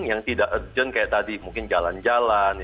yang tidak urgent kayak tadi mungkin jalan jalan